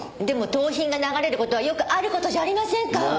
でも盗品が流れる事はよくある事じゃありませんか！